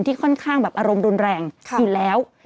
ค่อนข้างแบบอารมณ์รุนแรงอยู่แล้ว